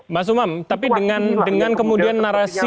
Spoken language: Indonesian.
oke mbak sumam tapi dengan kemudian narasi